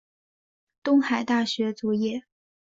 东海大学卒业。